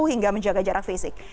hingga menjaga jarak fisik